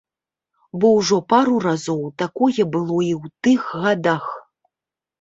Бо ўжо пару разоў такое было і ў тых гадах.